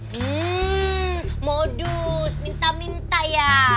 hmm modus minta minta ya